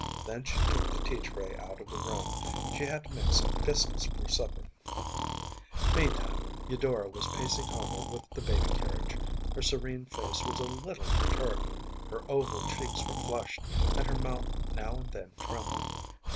Then she took the tea tray out of the room. She had to make some biscuits for supper. Meantime Eudora was pacing homeward with the baby carriage. Her serene face was a little perturbed. Her oval cheeks were flushed, and her mouth now and then trembled.